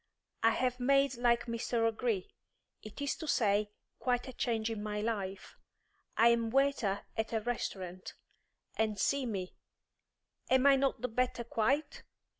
I have made like Mr. O'Gree; it is to say, quite a change in my life. I am waiter at a restaurant. And see me; am I not the better quite?